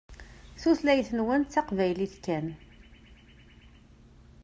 Tulayt-nwen d taqbaylit kan.